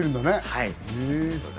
はい。